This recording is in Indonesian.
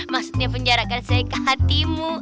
maksudnya penjarakan saya ke hatimu